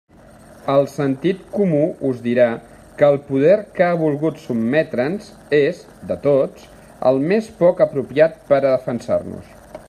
El sentit comú us dirà que el poder que ha volgut sotmetre'ns és, de tots, el més poc apropiat per a defensar-nos.